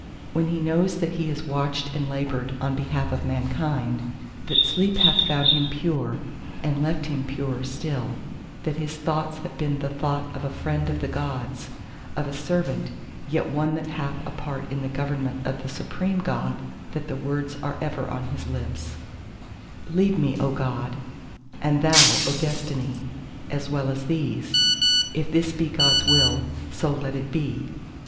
When he knows that he has watched and laboured on behalf of mankind: that sleep hath found him pure, and left him purer still: that his thoughts have been the thought of a Friend of the Gods—of a servant, yet one that hath a part in the government of the Supreme God: that the words are ever on his lips:— Lead me, O God, and thou, O Destiny! as well as these:— If this be God's will, so let it be!